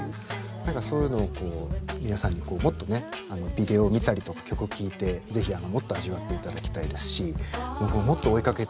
何かそういうのを皆さんにもっとねあのビデオ見たりとか曲聴いて是非もっと味わっていただきたいですし僕ももっと追いかけて。